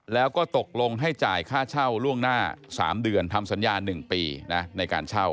แล้วก็ตกลงให้จ่ายค่าเช่าร่วงหน้า๓เดือนทำสัญญาณ๑ปี